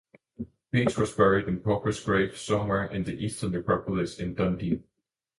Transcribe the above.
Beach was buried in a pauper's grave somewhere in the Eastern Necropolis in Dundee.